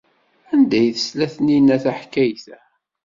Anda ay tesla Taninna taḥkayt-a?